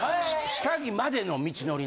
下着までの道のり。